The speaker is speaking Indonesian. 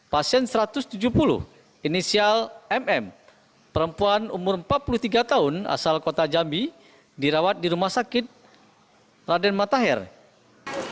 pasien satu ratus tujuh puluh inisial mm perempuan umur empat puluh tiga tahun asal kota jambi dirawat di rumah sakit raden matahari